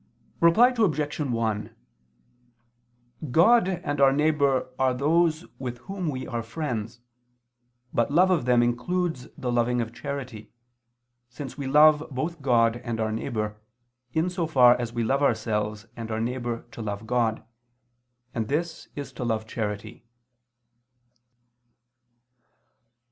Reply Obj. 1: God and our neighbor are those with whom we are friends, but love of them includes the loving of charity, since we love both God and our neighbor, in so far as we love ourselves and our neighbor to love God, and this is to love charity.